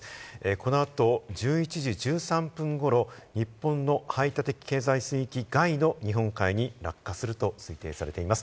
この後１１時１３分ごろ、日本の排他的経済水域外の日本海に落下すると推定されています。